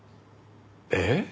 えっ！